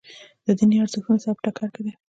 د دیني ارزښتونو سره په ټکر کې دي.